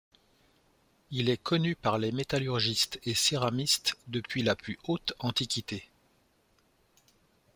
Il est connu par les métallurgistes et céramistes depuis la plus haute Antiquité.